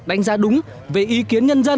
đánh giá đúng về ý kiến nhân dân